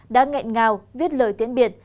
đã ngạch ngào viết lời tiến biệt